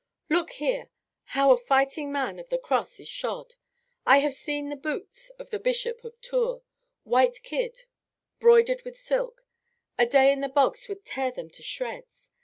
"Look here, how a fighting man of the cross is shod! I have seen the boots of the Bishop of Tours, white kid, broidered with silk; a day in the bogs would tear them to shreds.